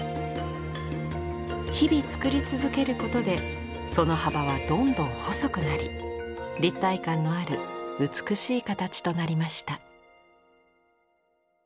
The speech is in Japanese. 日々作り続けることでその幅はどんどん細くなり立体感のある美しい形となりました。